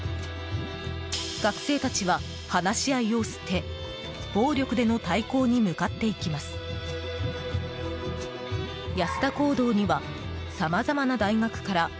学生たちは、話し合いを捨て暴力での対抗に向かっていきます。